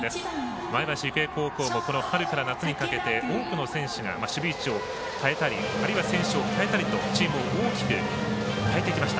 前橋育英高校もこの春から夏にかけて多くの選手が守備位置を変えたり選手を代えたりとチームを大きく変えてきました。